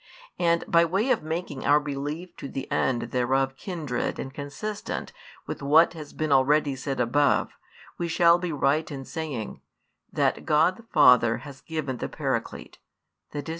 And by way of making our belief to the end thereof kindred and consistent with what has been already said above, we shall be right in saying, that God the Father has given the Paraclete, i.e.